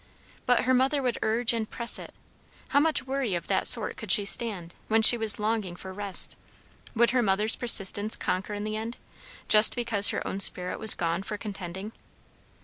But her mother would urge and press it; how much worry of that sort could she stand, when she was longing for rest? Would her mother's persistence conquer in the end, just because her own spirit was gone for contending?